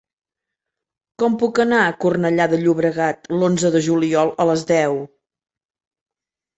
Com puc anar a Cornellà de Llobregat l'onze de juliol a les deu?